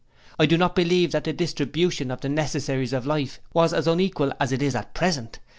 I do not believe that the distribution of the necessaries of life was as unequal as it is at present.